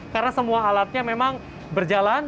karena semua alatnya memang berjalan